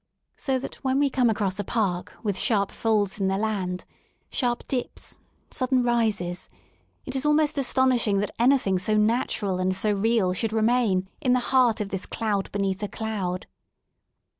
So that when we come across a park with sharp folds in the land, sharp dtps, sudden rises, it is almost astonishing that anything so natural and so real should remain in the heart of this cloud beneath a cloud.